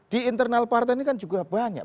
di internal partai ini kan juga banyak